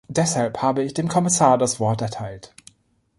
Deshalb habe ich dem Kommissar das Wort erteilt.